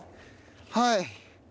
はい。